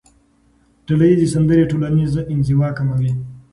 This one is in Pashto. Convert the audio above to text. ډلهییزې سندرې ټولنیزه انزوا کموي.